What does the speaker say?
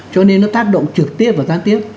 cho nên nó tác động trực tiếp và gián tiếp